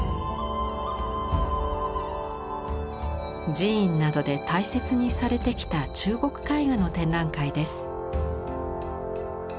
寺院などで大切にされてきた中国絵画の展覧会です。